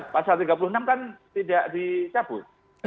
pasal tiga puluh enam kan tidak dicabut